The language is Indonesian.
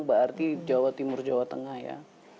berarti jawa timur jawa tengah ya